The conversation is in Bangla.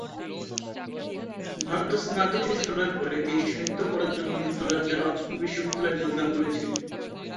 ভারতে স্নাতক শেষ করার পরে তিনি সাহিত্য পড়ার জন্য যুক্তরাজ্যের অক্সফোর্ড বিশ্ববিদ্যালয়ে যোগদান করেছিলেন।